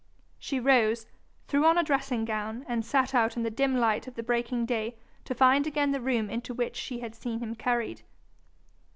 She rose, threw on a dressing gown, and set out in the dim light of the breaking day to find again the room into which she had seen him carried.